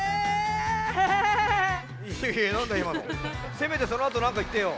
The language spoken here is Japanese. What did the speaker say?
せめてそのあとなんかいってよ。